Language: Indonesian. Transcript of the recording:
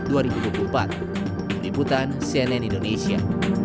diputan cnn indonesia